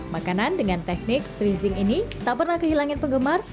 makanan dengan teknik freezing ini tak pernah kehilangan penggemar